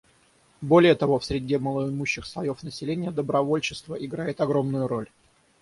Более того, в среде малоимущих слоев населения добровольчество играет огромную роль.